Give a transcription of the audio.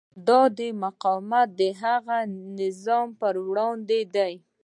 دا مقاومت د هغه نظام پر وړاندې دی.